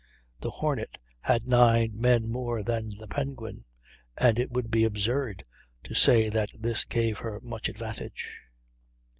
The Hornet had nine men more than the Penguin, and it would be absurd to say that this gave her much advantage.